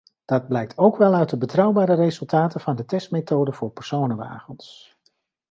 Dat blijkt ook wel uit de betrouwbare resultaten van de testmethode voor personenwagens.